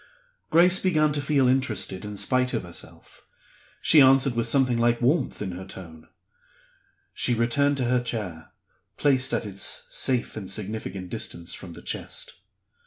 Grace began to feel interested in spite of herself. She answered with something like warmth in her tone. She returned to her chair placed at its safe and significant distance from the chest.